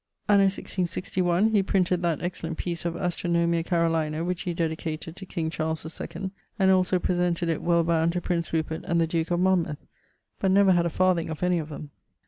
Anno 1661 he printed that excellent piece of Astronomia Carolina, which he dedicated to king Charles II, and also presented it well bound to prince Rupert and the duke of Monmouth, but never had a farthing of any of them.